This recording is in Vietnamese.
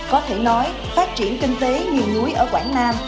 có thể nói phát triển kinh tế nhiều núi ở quảng nam